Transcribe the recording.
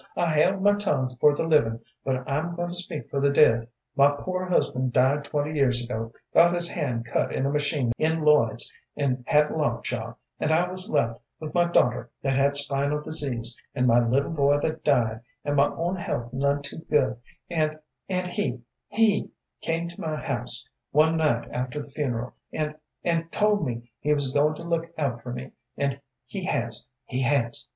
"I held my tongue for the livin', but I'm goin' to speak for the dead. My poor husband died twenty years ago, got his hand cut in a machine in Lloyd's, and had lockjaw, and I was left with my daughter that had spinal disease, and my little boy that died, and my own health none too good, and and he he came to my house, one night after the funeral, and and told me he was goin' to look out for me, and he has, he has.